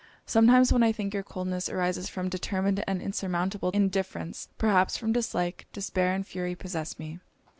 Sometimes, when I think your coldness arises from determined and insurmountable indifference perhaps from dislike despair and fury possess me.